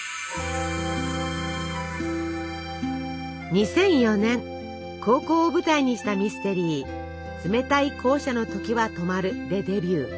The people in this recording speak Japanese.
２００４年高校を舞台にしたミステリー「冷たい校舎の時は止まる」でデビュー。